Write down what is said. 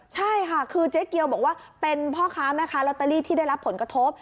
ใช่ค่ะคือเจ๊เกียวบอกว่าเป็นพ่อค้าแม่ค้าลอตเตอรี่ที่ได้รับผลกระทบ